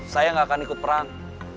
saya gak akan ikut perang